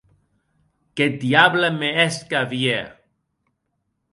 Qu’eth diable me hèsque a vier!